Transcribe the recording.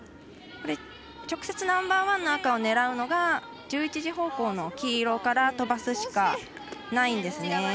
直接、ナンバーワンの赤を狙うのが１１時方向の黄色から飛ばすしかないんですね。